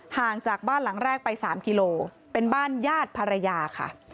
ห่างจากบ้านหลังแรกไป๓กิโลเป็นบ้านญาติภรรยาค่ะ